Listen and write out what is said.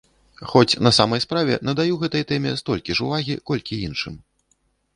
Хоць, на самай справе, надаю гэтай тэме столькі ж увагі, колькі іншым.